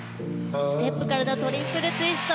ステップからのトリプルツイスト。